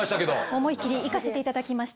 思いっきりいかせて頂きました。